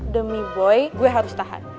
demi boy gue harus tahan